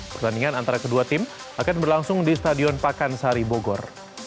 pertandingan antara kedua tim akan berlangsung di stadion pakansari bogor